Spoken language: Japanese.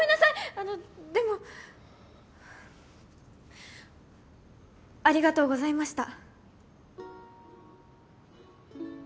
あのでもありがとうございました！